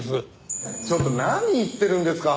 ちょっと何言ってるんですか？